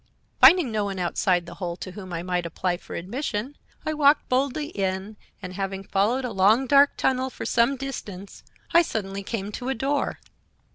"Finding no one outside the hole to whom I might apply for admission I walked boldly in, and having followed a long, dark tunnel for some distance, I suddenly came to a door.